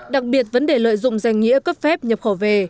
đặc biệt vấn đề lợi dụng danh nghĩa cấp phép nhập khẩu về